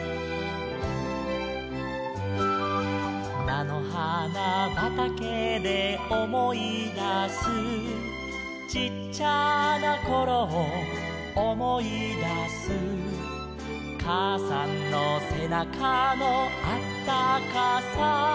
「なのはなばたけでおもいだす」「ちっちゃなころをおもいだす」「かあさんのせなかのあったかさ」